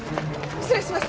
失礼します。